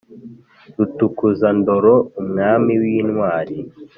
Rutukuzandoro, umwami w’intwari